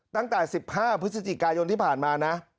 ตั้งแต่๑๕พฤศจิกายนที่ผ่านมานะ